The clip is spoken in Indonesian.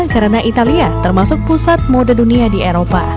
karena italia termasuk pusat mode dunia di eropa